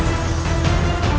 tidak ada yang bisa diberi